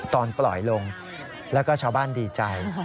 ตอนปล่อยลงแล้วก็ชาวบ้านดีใจ